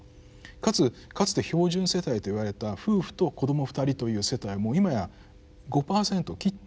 かつかつて標準世帯と言われた夫婦と子ども２人という世帯も今や５％を切ってるわけですね。